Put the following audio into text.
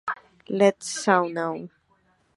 Let It Snow!".